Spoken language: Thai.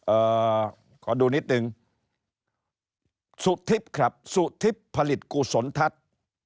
เอ่อขอดูนิดนึงสุทิพย์ครับสุทิพย์ผลิตกุศลทัศน์